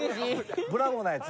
ブラボーなやつ。